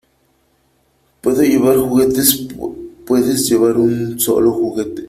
¿ Puedo llevar juguetes ? Puedes llevar un sólo juguete .